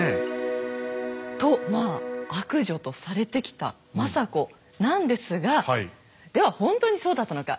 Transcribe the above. とまあ「悪女」とされてきた政子なんですがでは本当にそうだったのか。